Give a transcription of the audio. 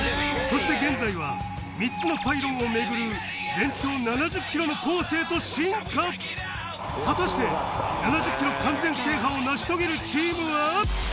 そして現在は３つのパイロンを巡る全長７０ｋｍのコースへと進化果たして７０ｋｍ完全制覇を成し遂げるチームは？